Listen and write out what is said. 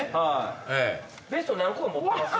ベスト何個も持ってます？